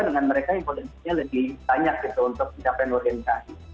dengan mereka yang potensinya lebih banyak gitu untuk pencapaian organisasi